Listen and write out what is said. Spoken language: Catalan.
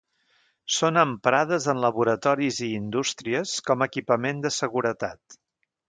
Són emprades en laboratoris i indústries com equipament de seguretat.